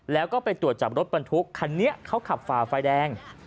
แล้วก็ไปตรวจจับรถบรรทุกคันนี้เขาขับฝ่าไฟแดง